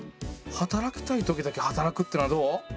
働きたいときだけ働くってのはどう？